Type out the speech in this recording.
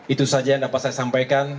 itu saja yang dapat saya sampaikan